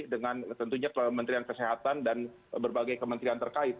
dengan tentunya kementerian kesehatan dan berbagai kementerian terkait